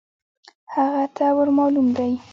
هغه ته ور مالوم دی .